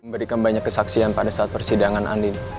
memberikan banyak kesaksian pada saat persidangan andi